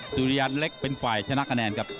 สุริยันเล็กเป็นฝ่ายชนะคะแนนครับ